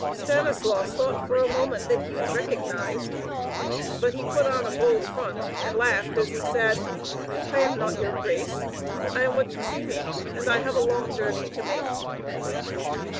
Stanislaus thought for a moment that he was recognized; but he put on a bold front, and laughed as he said: "I am not 'your grace. I am what you see me, and I have a long journey to make."